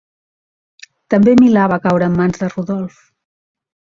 També Milà va caure en mans de Rodolf.